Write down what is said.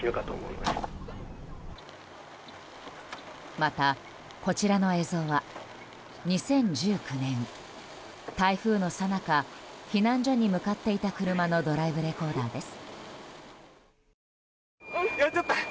また、こちらの映像は２０１９年台風のさなか避難所に向かっていた車のドライブレコーダーです。